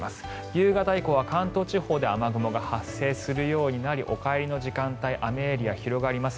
夕方以降は関東地方で雨雲が発生するようになりお帰りの時間帯雨エリア広がります。